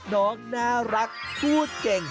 น้องน่ารักพูดเก่ง